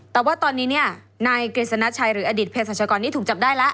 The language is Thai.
แต่ว่าตอนนี้เนี่ยนายกฤษณชัยหรืออดีตเพศรัชกรนี้ถูกจับได้แล้ว